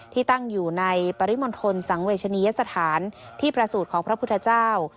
ที่ตั้งอยู่ในปริมณฑลสังเวชนียสถานที่ประสูจน์ของพระพุทธเจ้า